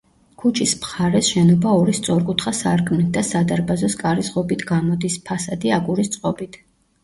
ქუჩის მხარეს შენობა ორი სწორკუთხა სარკმლით და სადარბაზოს კარის ღობით გამოდის, ფასადი აგურის წყობით.